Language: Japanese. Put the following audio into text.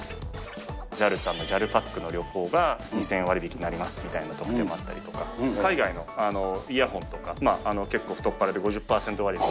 ＪＡＬさんのＪＡＬパックの旅行が２０００円割引になりますみたいな特典もあったりとか、海外のイヤホンとか結構、太っ腹で５０％割引き。